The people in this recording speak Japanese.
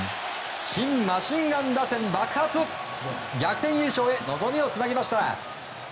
シン・マシンガン打線、爆発逆転優勝へ望みをつなげました。